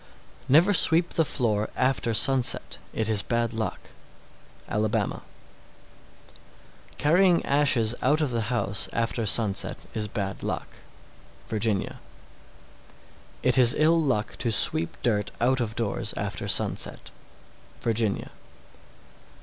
651. Never sweep the floor after sunset; it is bad luck. Alabama. 652. Carrying ashes out of the house after sunset is bad luck. Virginia. 653. It is ill luck to sweep dirt out of doors after sunset. _Virginia.